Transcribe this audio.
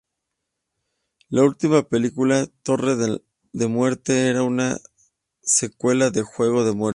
La última película, "Torre de Muerte", era una secuela de "juego de muerte".